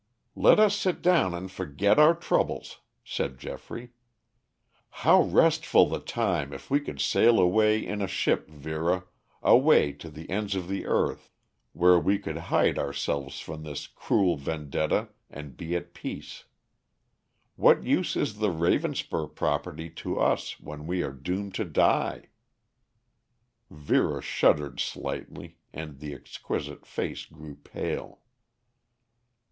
"Let us sit down and forget our troubles," said Geoffrey. "How restful the time if we could sail away in a ship, Vera, away to the ends of the earth, where we could hide ourselves from this cruel vendetta and be at peace. What use is the Ravenspur property to us when we are doomed to die?" Vera shuddered slightly and the exquisite face grew pale.